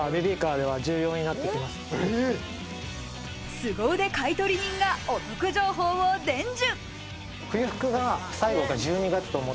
スゴ腕買取人がお得情報を伝授。